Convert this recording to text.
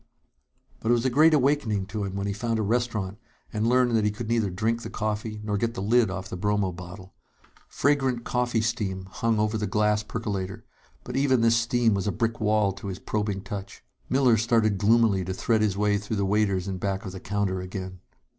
But it was a great awakening to him when he found a restaurant and learned that he could neither drink the coffee nor get the lid off the bromo bottle. Fragrant coffee steam hung over the glass percolator, but even this steam was as a brick wall to his probing touch. Miller started gloomily to thread his way through the waiters in back of the counter again.